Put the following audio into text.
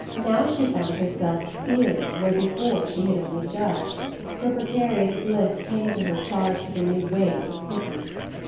Now she found herself feeling where before she had only judged: her precarious bliss came to her charged with a new weight of pity.